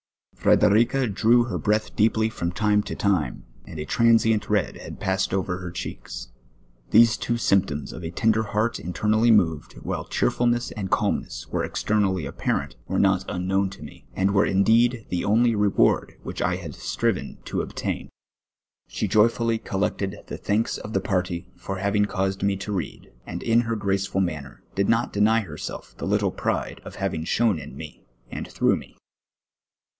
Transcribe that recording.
Frederica drew her breath deeply from time to time, and a transient red had passed over her checks. These two spni)toms of a tender heait in ternally moved, while cheerfulness and calmness were exter nally apparent, were not miknown to me, and were indeed the onlv reward which I had striven to obtain. She iovfully col lected the thanks of the party for having caused me to read, and in her graceful manner did not deny herself the little pride at having shone in me and through me.